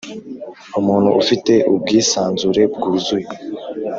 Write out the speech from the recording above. umuntu Ufite ubwisanzure bwuzuye